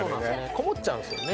こもっちゃうんすよね